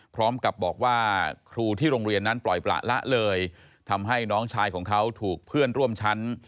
พร้อมกับบอกว่าครูที่โรงเรียนนั้นปล่อยประละเลยทำให้น้องชายของเขาถูกเพื่อนร่วมชั้น